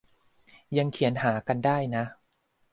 ยังเขียนหากันได้นะ